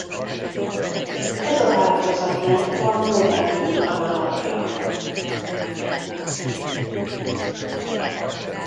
Ez a változat lett a modern jókan alapja.